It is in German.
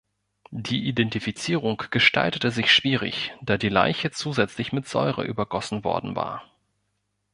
Die Identifizierung gestaltete sich schwierig, da die Leiche zusätzlich mit Säure übergossen worden war.